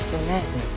うん。